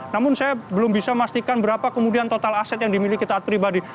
namun saya belum bisa memastikan berapa kemudian total aset yang dimiliki taat pribadi